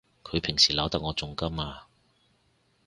佢平時鬧得我仲甘啊！